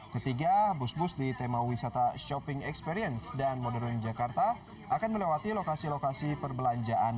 ketiga bus bus di tema wisata shopping experience dan modern jakarta akan melewati lokasi lokasi perbelanjaan